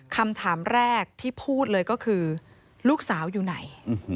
คำถามแรกที่พูดเลยก็คือลูกสาวอยู่ไหน